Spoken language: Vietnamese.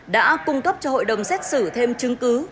đã cung cấp cho hội đồng xét xử thêm chứng cứ